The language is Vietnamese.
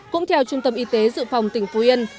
cũng theo trung tâm y tế dự phòng tỉnh phú yên